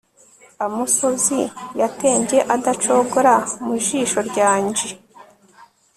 amosozi yatembye adacogora mu jisho ryanje